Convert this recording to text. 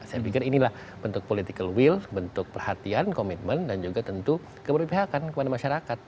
saya pikir inilah bentuk political will bentuk perhatian komitmen dan juga tentu keberpihakan kepada masyarakat